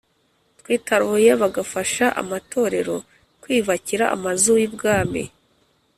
twitaruye bagafasha amatorero kwiyubakira Amazu y Ubwami